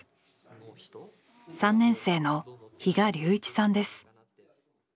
３年生の比嘉隆一さんです。